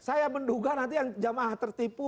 saya menduga nanti yang jamaah tertipu